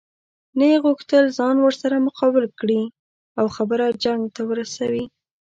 نه یې غوښتل ځان ورسره مقابل کړي او خبره جنګ ته ورسوي.